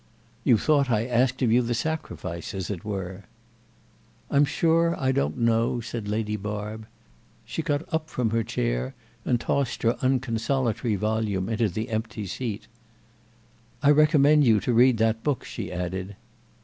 "You thought I asked of you the sacrifice, as it were." "I'm sure I don't know," said Lady Barb. She got up from her chair and tossed her unconsolatory volume into the empty seat. "I recommend you to read that book," she added.